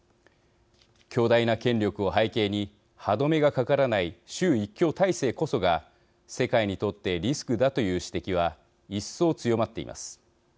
強大な権力を背景に歯止めがかからない習一強体制こそが世界にとってリスクだという指摘は一層、強まっています。